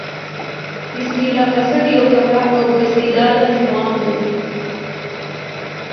بسم الله اسد يو تکړه او با استعداده ځوان دئ.